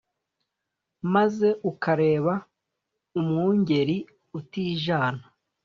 Maze ukareba umwungeri utijana.